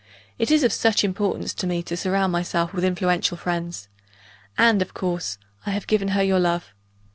It is of such importance to me to surround myself with influential friends and, of course, I have given her your love.